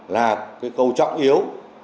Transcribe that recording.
là cái câu trọng yếu